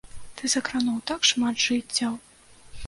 Ты закрануў так шмат жыццяў!